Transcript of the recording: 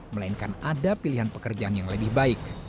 melainkan ada pilihan pekerjaan yang lebih baik